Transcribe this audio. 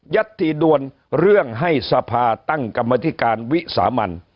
ัตถีดวนเรื่องให้สภาตั้งกรรมธิการวิสามัน